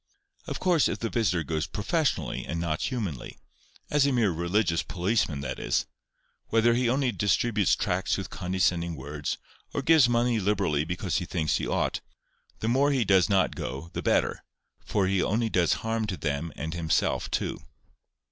Of course, if the visitor goes professionally and not humanly,—as a mere religious policeman, that is—whether he only distributes tracts with condescending words, or gives money liberally because he thinks he ought, the more he does not go the better, for he only does harm to them and himself too."